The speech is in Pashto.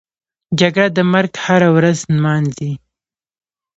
جګړه د مرګ هره ورځ نمانځي